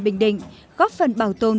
bình định góp phần bảo tồn